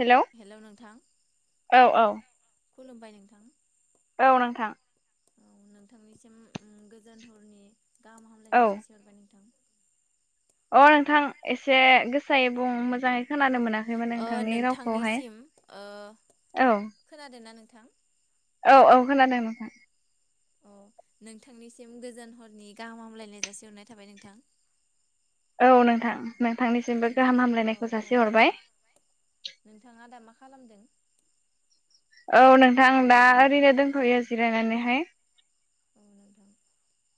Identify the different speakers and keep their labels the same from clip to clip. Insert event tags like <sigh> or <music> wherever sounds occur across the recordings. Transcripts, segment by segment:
Speaker 1: Hello औ औ
Speaker 2: खुलुमबाय नोंथां
Speaker 1: औ नोंथां
Speaker 2: औ नोंथांनिसिम गोजान हरनि गाहाम
Speaker 1: औ
Speaker 2: हामलायनाय जासि हरबाय नोंथां
Speaker 1: अ नोंथां एसे गोसायै बुं मोजां मोजाङै
Speaker 2: औ
Speaker 1: खोनानो मोनाखैमोन
Speaker 2: ओ
Speaker 1: नोंथांनि रावखौहाय
Speaker 2: नोंथांनिसिम ओ
Speaker 1: औ
Speaker 2: <inaudible>
Speaker 1: औ औ खोनादों नोंथां
Speaker 2: अ नोंथांनिसिम गोजोन हरनि गाहाम हामलायनाय जासिहरनाय थाबाय नोंथां
Speaker 1: औ नोंथां नोंथांनिसिमबो
Speaker 2: नोंथां
Speaker 1: गाहाम
Speaker 2: औ
Speaker 1: हामलायनायखौ
Speaker 2: औ
Speaker 1: जासिहरबाय
Speaker 2: नोंथां नोंथाङा दा मा खालामदों
Speaker 1: औ नोंथां दा ओरैनो दोनथ'यो जिरायनानैहाय
Speaker 2: <inaudible>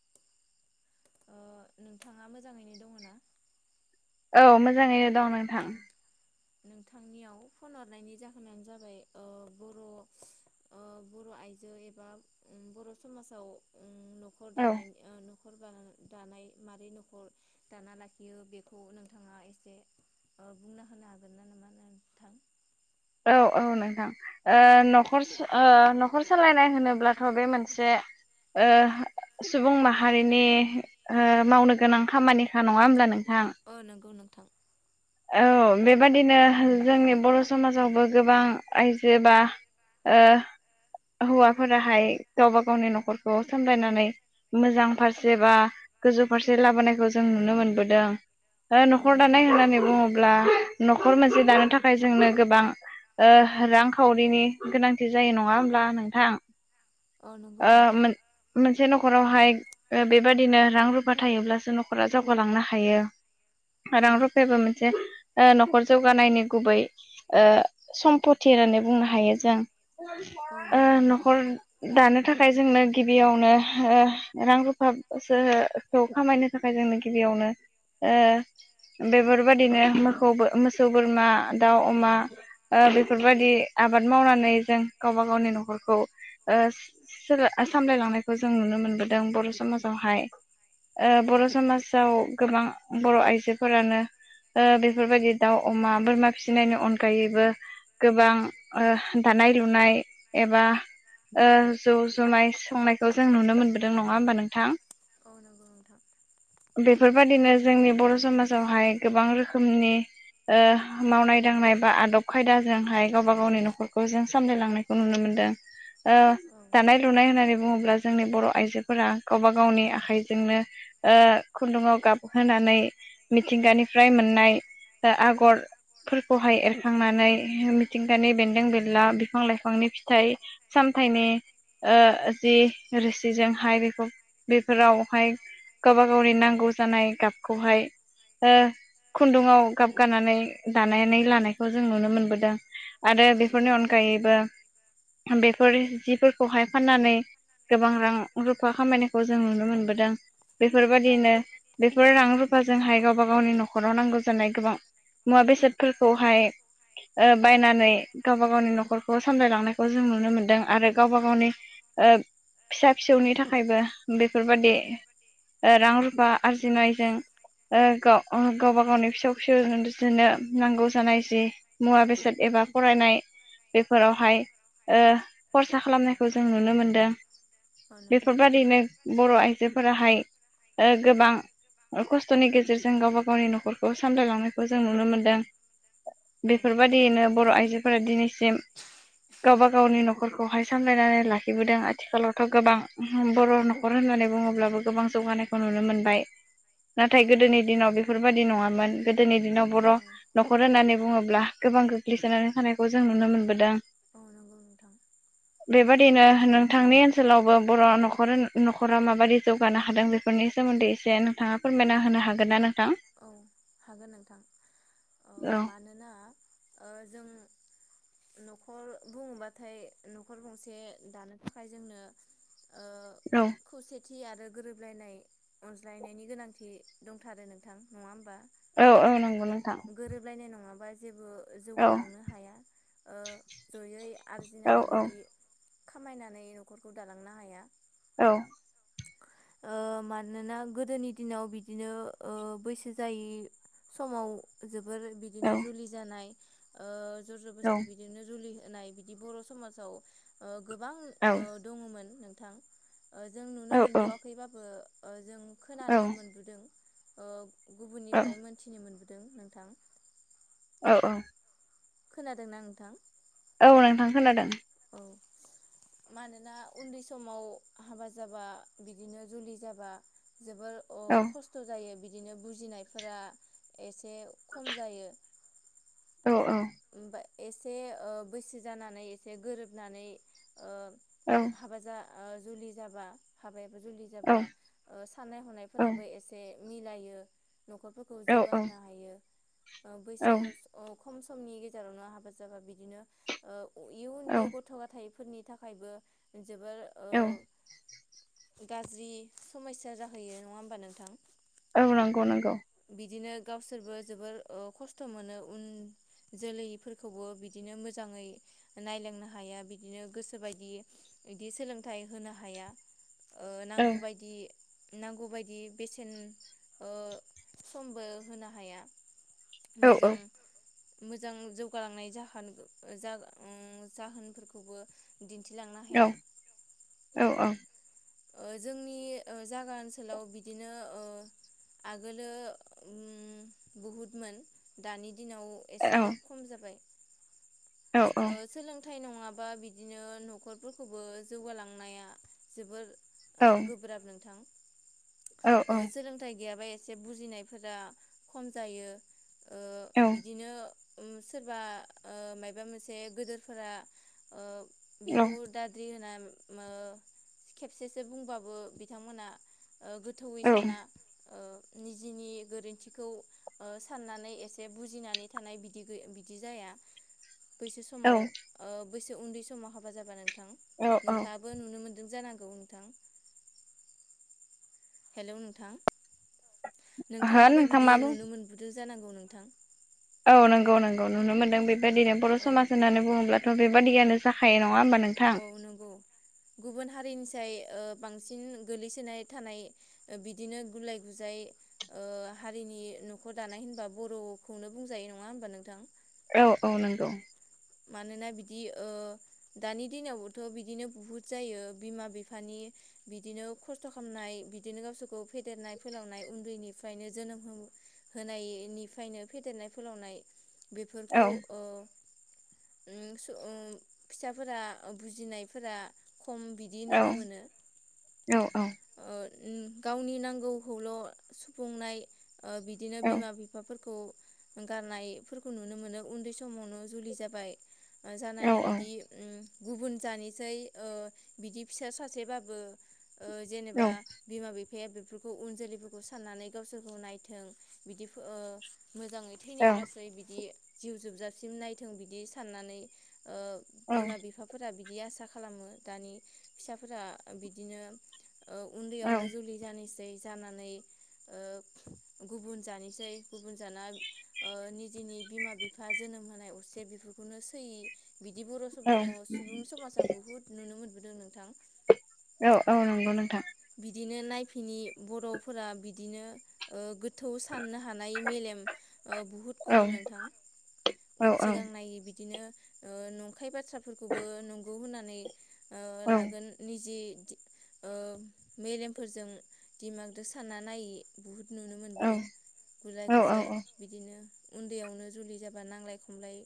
Speaker 2: ओ नोंथाङा मोजाङैनो दङ ना
Speaker 1: औ मोजाङैनो दं
Speaker 2: औ
Speaker 1: नोंथां
Speaker 2: नोंथांनियाव फन हरनायनि जाहोनानो जाबाय ओ बर' ओ बर' आइजो एबा उम बर' समाजाव उ म न'खर
Speaker 1: औ
Speaker 2: दानाय ओ न' <unintelligible> दानाय माबारै न'खर दाना लाखियो बेखौ नोंथाङा एसे ओ बुंना होनो हागोन ना नामा नोंथां
Speaker 1: औ औ नोंथां ओ
Speaker 2: औ नंगौ
Speaker 1: न'खरस ओ
Speaker 2: नोंथां
Speaker 1: न'खर सोलायनाय होनोब्लाथ' बे मोनसे ओ सुबुं माहारिनि ओ मावनो गोनां खामानिखा नङा होमब्ला नों
Speaker 2: औ नोंगौ नों थां
Speaker 1: औ बेबादिनो जोंनि बर' समाजावबो गोबां आइजो बा ओ हौवाफोराहाय गावबा गावनि न'खरखौ सामलायनानै मोजां फारसे बा गोजौ फारसे लाबोनायखौ जों नुनो मोनबोदों ओ न'खर दानाय होननानै ब्ला न'खर मोनसे दानो थाखाय जोंनो गोबां ओ रांखावरिनि गोनांथि जायो नङा होमब्ला नोंथां
Speaker 2: औ नंगौ
Speaker 1: ओ
Speaker 2: नोंथां
Speaker 1: मोन मोनसे न' खरावहाय ओ बेबादिनो रां रुफा थायोब्लासो न'खरा जावगालांनो हायो
Speaker 2: औ
Speaker 1: रां रुफायाबो मोन से ओ न'खर जौगानायनि गुबै ओ सम्पथि होननानै बुंनो हायो जों
Speaker 2: औ
Speaker 1: ओ
Speaker 2: नंगौ नोंथां
Speaker 1: न'खर दानो थाखाय जोंनो गिबियावनो ओ रां रुफा सो खौ खामायनो थाखाय जोंनो गिबियावनो ओ बेबार बायदिनो मोखौबो मोसौ बोरमा दाउ अमा ओ बेफोरबायदि आबाद मावनानै जों गावबा गावनि न'खरखौ ओ सोलाय सामलाय लांनायखौ जों नुनो मोनबोदों बर' समाजावहाय ओ
Speaker 2: औ
Speaker 1: बर' समाजाव गोबां बर' आइजोफोरानो ओ बेफोरबायदि दाउ अमा बोरमा फिसिनायनि अनगायैबो गोबां दानाय ओ लुनाय एबा ओ जौ ज'नाय संनायखौ जों नुनो मोनबोदों नङा होमबा नोंथां?
Speaker 2: औ नोंगौ नोंथां।
Speaker 1: बादिनो जोंनि बर' समाजावहाय गोबां रोखोमनि ओ मावनाय दांनाय बा आदब खायदाजोंहाय गावबा गावनि न'खरखौ जों सामलायलांनायखौ नुनो मोनदों। ओ
Speaker 2: औ
Speaker 1: दानाय-लुनाय होननानै बुङोब्ला जोंनि बर' आइजोफोरा गावबा गावनि आखाइजोंनो ओ खुन्दुङाव गाबहोनानै मिथिंगानि। फ्राय मोननाय ओ आगरफोरखौहाय एरखांनानै मिथिंगानि बेन्दों बेनला बिफां लाइफांनि फिथाइ सामथाइनि ओ जि रोसिजोंहाय बेखौ बेफोरावहाय गावबा गावनि नांगौ जानाय गाबखौहाय ओ खुन्दुङाव गाब गानानै दानानै लानायखौ जों नुनो मोनबोदों। आरो बेफोरनि
Speaker 2: नंगौ
Speaker 1: अनगायैबो। बेफोर जिफोरखौहाय फाननानै गोबां रां रुफा खामायनायखौ जों नुनो मोनबोदों बेफोर बादिनो बेफोर रां रुफाजोंहाय गावबा गावनि न'। खराव नांगौ जानाय गोबां मुवा बेसादफोरखौहाय ओ बायनानै गावबा गावनि न'खरखौ सामलायलांनायखौ जों नुनो मोनदों आरो गावबा गावनि ओ फिसा फिसौनि थाखायबो बेफोरबादि ओ रां रुफा आरजिनायजों ओ गाव गावबा गावनि फिसौ फिसौ <unintelligible> नांगौ जानाय जि मुवा बेसाद एबा फरायनाय बेफोरावहाय ओ खरसा खालामनायखौ जों नुनो मोनदों।
Speaker 2: औ नंगौ नोंथां
Speaker 1: बेफोरबादिनो बर' आइ बे फोराहाय ओ गोबां ओ खस्थ'नि गेजेरजों गावबा गावनि न'खरखौ सामलायलांनायखौ जों नुनो मोन्दों
Speaker 2: औ
Speaker 1: बेफोरबादियैनो बर' आइजोफोरा दिनैसिम गावबा गावनि न'खरखौहाय सामलायनानै लाखिबोदों आथिखालावथ' गोबां बर' न'खर होननानै बुङोब्लाबो गोबां जौगानायखौ नुनो मोनबाय नाथाय
Speaker 2: औ
Speaker 1: गोदोनि दिनाव बे बेफोरबायाददि नङामोन गोदोनि दिनाव बर' न'खर होननानै बुङोब्ला गोबां गोग्लैसोनानै थानायखौ जों नुनो मोनबोदों।
Speaker 2: औ नंगौ नोंथां। नोंथांनि ओनसोलावबो बर' न'खर न'खरा माबायदि जौगानो हादों बेफोरनि सोमोन्दै एसे नोंथाङा फोरमायना होनो हागोन
Speaker 1: बेबादिनो नोंथांनि ओनसोलावबो बर' न'खर न'खरा माबायदि जौगानो हादों बेफोरनि सोमोन्दै एसे नोंथाङा फोरमायना होनो हागोन ना नोंथां?
Speaker 2: औ हागोन नोंथां
Speaker 1: औ
Speaker 2: मानोना जों न'खर बुङोब्लाथाय न'खर गंसे दानो थाखाय जोंनो।
Speaker 1: औ।
Speaker 2: खान्थि आरो गोरोबलायनाय अनज्लायनायनि गोनांथि दंथारो नोंथां। नङा होमबा?
Speaker 1: औ औ नंगौ नोंथां।
Speaker 2: गोरोबलायनाय नङाबा जेबो
Speaker 1: औ
Speaker 2: जौगालांनो हाया ओ जयै
Speaker 1: औ
Speaker 2: आर्जिनानै
Speaker 1: औ
Speaker 2: बिदि। खामायनानै न'खरखौ दालांनो हाया।
Speaker 1: औ।
Speaker 2: ओ मानोना गोदोनि दिनाव बिदिनो बैसाग जायै समाव जों बिदिनो
Speaker 1: औ
Speaker 2: जुलि जानाय ओ जर
Speaker 1: औ
Speaker 2: ज'बस्थि बिदिनो जुलि होनाय बिदि बर' समाजआव गोबां
Speaker 1: औ
Speaker 2: दङमोन। <inaudible> जों नुनो
Speaker 1: औ
Speaker 2: मोनबोआखैबाबो जों खोनानो मोनबोदों ओ गुबुननिफ्राय मोनथिनो मोनबोदों दों नोंथां
Speaker 1: औ औ
Speaker 2: खोनादोंना नोंथां
Speaker 1: औ नोंथां खोनादों
Speaker 2: औ मानोना उन्दै समाव हाबा जाबा बिदिनो जुलि जाबा जोबोर
Speaker 1: औ
Speaker 2: खस्थ' जायो बि बिदिनो बुजिनायफोरा एसे खम जायो
Speaker 1: औ औ
Speaker 2: <inaudible> एसे बैसो जानानै एसे गोरोबनानै ओ
Speaker 1: ओं
Speaker 2: हाबा जा ओ जुलि जाबा हाब <unintelligible> जुलि
Speaker 1: औ
Speaker 2: जाबा साननाय हनायफोराबो एसे मिलायो न'खरफोरखौ
Speaker 1: औ
Speaker 2: जौगाहोनो हायो ओ बैसो अ खम सम समनि गेजेरावनो हाबा जाबा बिदिनो ओ
Speaker 1: औ
Speaker 2: इयुननि गथ' गथाय फोरनि थाखायबो जोबोर
Speaker 1: औ
Speaker 2: ओ गाज्रि समयस्या जाहैयो नङा होमबा नोंथां
Speaker 1: औ नंगौ नंगौ
Speaker 2: बिदिनो गावसोरबो जोबोर ओ खस्थ' मोनो उन जोलैफोरखौबो बिदिनो मोजाङै नायलांनो हाया बिदिनो गोसो बायदि बिदि सोलोंथाइ होनो हाया ओ
Speaker 1: औ
Speaker 2: नांगौबायदि नांगौबायदि बेसेन ओ समबो होनो हाया
Speaker 1: औ
Speaker 2: मोजां मोजां जौगालांनाय जाहोन जा ओं जाहोनफोरखौबो दिन्थिलांनो
Speaker 1: औ
Speaker 2: हाया
Speaker 1: औ औ
Speaker 2: ओ जोंनि ओ जागा ओनसोलाव बिदिनो ओ आगोलो ओम बहुदमोन दानि दिनाव एसे खम जाबाय।
Speaker 1: औ
Speaker 2: ओ सोलों <unintelligible> नङाबा बिदिनो न'खरफोरखौबो जौगालांनाया जोबोर
Speaker 1: औ
Speaker 2: ओ गोब्राब नोंथां
Speaker 1: औ औ
Speaker 2: ओ सोलोंथाइ गैयाबा एसे बुजिनायफोरा खम जायो। ओ बिदिनो ओ सोरबा ओ मायबा मोनसे गोदोरफोरा ओ बेखौ दाद्रि होना ओ मो खेब खेबसेसो बुंबाबो बिथांमोना ओ गोथौयै साना ओ निजेनि गोरोन्थिखौ ओ साननानै एसे बुजिनानै थानाय बिदि गै बिदि जाया। बैसो समाव ओ बैसो उन्दै समाव हाबा जाबा नों थां
Speaker 1: औ
Speaker 2: नोंथाङाबो नुनो मोनदों जानां गौ नोंथां। हेल' नोंथां।
Speaker 1: ओहो
Speaker 2: नोंथांङाबो
Speaker 1: नोंथां
Speaker 2: बिदि
Speaker 1: मा बुं
Speaker 2: नुनो मोनबोदो। जानांगौ नोंथां।
Speaker 1: औ नंगौ नंगौ नुनो मोनदों बे बायदिनो बर'
Speaker 2: औ
Speaker 1: समाज होननानै बुङोब्ला। थ' बेबादियानो जाखायो होमबा नोंथां
Speaker 2: औ नंगौ गुबुन हारिनि फिथाइ ओ बांसिन गोलैसोनाय थानाय बिदिनो गुलाय गुजाय ओ हारिनि न'खर दानाय होनबा बर'खौनो बुंजायो नङा होमबा नोंथां?
Speaker 1: औ औ नंगौ।
Speaker 2: मानोना बिदि ओ दानि दिनावबोथ' बिदिनो बुहुद जायो बिमा बिफानि बिदिनो खस्थ' खालामनाय बिदिनो गावसोरखौ फेदेरनाय फोलावनाय उन्दैनि फ्रायनो जोनोम होनायनिफ्रायनो फेदेरनाय फोलावनाय
Speaker 1: औ
Speaker 2: बेफोरखौ ओ उम उम फिसाफोरा बुजिनायफोरा खम बिदि
Speaker 1: औ
Speaker 2: नुनो मोनो
Speaker 1: औ
Speaker 2: ओ उ गावनि नांगौखौल' सुफुंनाय ओ बिदिनो
Speaker 1: औ
Speaker 2: बिमा बिफाफोर खौ गारनायफोरखौ नुनो मोनो उनदै समावनो जुलि जाबाय
Speaker 1: औ
Speaker 2: जानानै बिदि उम गुबुन जानिसै ओ बिदि फिसा सासेबाबो ओ
Speaker 1: औ
Speaker 2: जेनेबा बिमा बि फाया बेफोरखौ उन जोलैफोरखौ साननानै गावसोरखौ नायथों बिदि ओ मोजाङै थैनायाव लासै बिदि जिउ जोबजासिम नाय थों बिदि साननानै ओ बिमा बिफाफोरा बि दि आसा खालामो दानि फिसाफोरा बिदिनो औ
Speaker 1: औ
Speaker 2: उन्दैयावनो जुलि जानो सै जानानै ओ गुबुन जानोसै गुबुन जाना ओ निजेनि बिमा बिफा जोनोम होनाय अ बेफोरखौनो सैयि बिदि बर'
Speaker 1: औ
Speaker 2: सुबुं सुबुं समाजा बुहुत नुनो मोन नुबोदों नोंथां।
Speaker 1: औ औ नंगौ नोंथां।
Speaker 2: बिदिनो नायफिनि बर'फोरा बिदिनो गोथौ साननो हानाय मेलेम ओ बुहुद
Speaker 1: औ
Speaker 2: खम नोंथां
Speaker 1: औ
Speaker 2: उन
Speaker 1: औ
Speaker 2: सिगां नायै बिदि बिदिनो ओ नंखाय बाथ्राफोरखौबो नंगौ होननानै
Speaker 1: औ
Speaker 2: लागोन निजे दि ओ मेलेमफोरजों दिमागजों सानना नायै बुहुद नुनो मोनबोदों गुलाय
Speaker 1: औ
Speaker 2: गुजाय बिदिनो उन्दैयावनो जुलि जाबा नांलाय खमलाय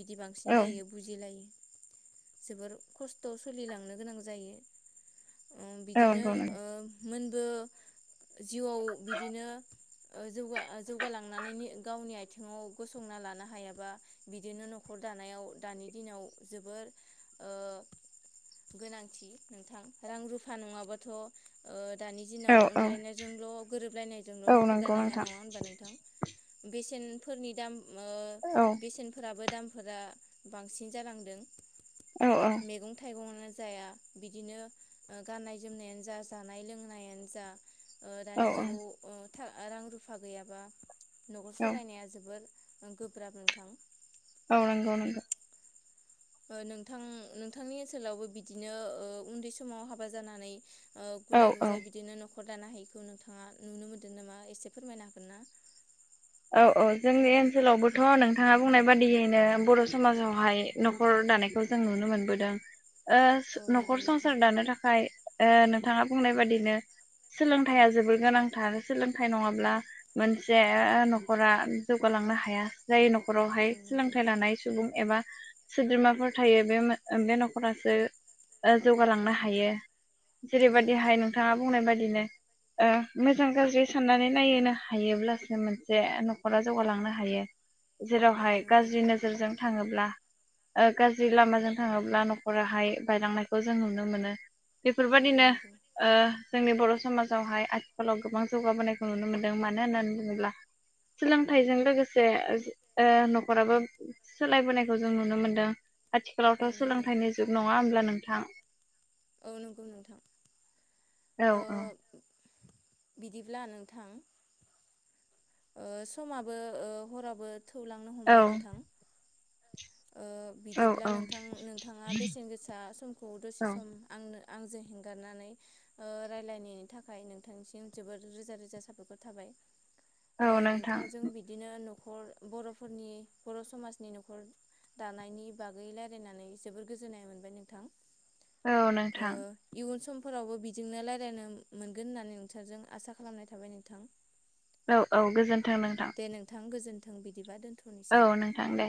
Speaker 2: बिदि बांसिन
Speaker 1: औ
Speaker 2: जायो बुजिलायो। जोबोर खस्थ' सोलिलांनो गोनां जायो। ओ
Speaker 1: औ
Speaker 2: बिदिनो
Speaker 1: नंगौ नंगौ।
Speaker 2: ओ मोनबो जिउआव बिदिनो जौगा जौगालांनानै गावनि आथिङाव गसंना लानो हायाबा बिदिनो न'खर दानायाव दानि दिनाव जोबोर गोनांथि नोंथां रां रुफा नङाबाथ' ओ दानि
Speaker 1: औ
Speaker 2: दिनाव अनलायनायजोंल' गोरोबलायनायजोंल'
Speaker 1: औ
Speaker 2: न'खर
Speaker 1: नंगौ
Speaker 2: दानो हाया नामा होनबा नोंथां बे <unintelligible> फेन फोरनि दाम ओम
Speaker 1: नोंथां औ
Speaker 2: बेसेनफोराबो दाम फोरा बांसिन जालांदों
Speaker 1: औ औ
Speaker 2: मैगं-थाइगं जयहा बिदिनो गनायनाय जोमनायानो जा जानाय लोंनायानो जा
Speaker 1: औ
Speaker 2: दानि जुगाव रां रुफा गैयाबा न'खर
Speaker 1: औ
Speaker 2: सालायनाया जोबोर गोब्राब नोंथां
Speaker 1: औ नंगौ नंगौ
Speaker 2: नोंथां नोंथांनि ओनसोलावबो बिदिनो उन्दै समाव हाबा जानानै
Speaker 1: औ
Speaker 2: गुलाय
Speaker 1: औ
Speaker 2: गुजाय बिदिनो नखर नखर दानो हायिखौ नोंथाङा नुनो मोन्दों नामा एसे फोरमायनो हागोन ना
Speaker 1: औ औ जोंनि ओनसोलावबोथ' नोंथाङा बुंनाय बादियैनो बर' समाजावहाय न'खर दानायखौ जों नुनो मोनबोदों
Speaker 2: औ नंगौ
Speaker 1: न'खर
Speaker 2: नोंथां।
Speaker 1: संसार दानो थाखाय नोंथाङा बुंनाय बादिनो सोलोंथाइया जोबोर
Speaker 2: सोलोंथाइया जोबोद सोलोंथाइ नङाब्ला मोनसे न'खरा जौगालांनो हाया। औ नंगौ। लानाय सुबुं एबा औ नंगौ। गाज्रि नोजोरजों थाङोब्ला
Speaker 1: गोनांथार सोलोंथाइ नङाब्ला मोनसे न'खरा जौगालांनो हाया जाय न'खरावहाय सोलोंथाइ लानाय सुबुं एबा सोद्रोमाफोर थायो बे बे न'खरासो जौगालांनो हायो जेरैबायदिहाय नोंथाङा बुंनाय बादि बिदिनो ओ मोजां गाज्रि साननानै नायहोनो हायोब्लासो मोनसे जे न'खरा जौगालांनो हायो
Speaker 2: औ
Speaker 1: जेरावहाय
Speaker 2: नंगौ
Speaker 1: गाज्रि नोजोरजों थाङोब्ला ओ गाज्रि लामाजों थाङोब्ला न'खराहाय बायलांनायखौ जों नुनो मोनो बेफोरबायादिनो ओ जोंनि बर' समाजावहाय आथिखालाव गोबां जौगाबोनायखौ नुनो मोनदों मानो होननानै बुङोब्ला सोलोंथाइजों लोगोसे ओ न'खराबो सोलायबोनायखौ जों नुनो मोनदों
Speaker 2: औ
Speaker 1: आथिखालावथ'
Speaker 2: नंगौ
Speaker 1: सोलोंथाइनि जुग नङा होमब्ला नों थां
Speaker 2: औ नंगौ नोंथां
Speaker 1: औ
Speaker 2: ओ बिदिब्ला नोंथां ओ समाबो ओ हराबो थौलांनो
Speaker 1: औ
Speaker 2: हमबाय नोंथां ओ
Speaker 1: औ
Speaker 2: बिदिब्ला नोंथां
Speaker 1: औ
Speaker 2: नोंथाङा बेसेन गोसा समखौ दसे
Speaker 1: औ
Speaker 2: सम आंनो आंजों हेंगारनानै ओ रायज्लायनायनि थाखाय नोंथांनिसिम जोबोद रोजा रोजा साबायखर थाबाय
Speaker 1: औ
Speaker 2: ओ
Speaker 1: नोंथां
Speaker 2: नोंथांजों बिदिनो नखर बर'फोरनि बर' समाजनि न'खर दानायनि बागै रायलायनानै जोबोर गोजोननाय मोनबाय नोंथां
Speaker 1: औ
Speaker 2: ओ
Speaker 1: नोंथां
Speaker 2: इयुन सम फोरावबो बिदिनो रायलायनो मोनगोन होननानै नोंसोरजों आसा खालामनाय थाबाय नोंथां
Speaker 1: औ औ गोजोन
Speaker 2: दे नोंथां गोजोन थों बिदिबा दोन
Speaker 1: औ नोंथां दे